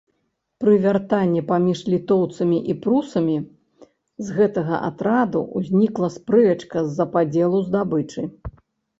Пры вяртанні паміж літоўцамі і прусамі з гэтага атраду ўзнікла спрэчка з-за падзелу здабычы.